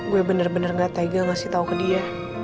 gue bener bener gak tega ngasih tahu ke dia